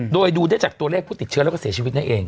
โดยดูได้จากตัวเลขผู้ติดเชื้อแล้วก็เสียชีวิตนั่นเอง